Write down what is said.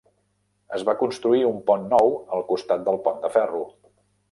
Es va construir un pont nou al costat del pont de ferro.